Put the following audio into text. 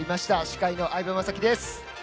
司会の相葉雅紀です。